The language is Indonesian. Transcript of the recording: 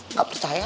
nggak bisa ya